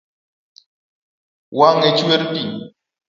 Wang’e chwer pi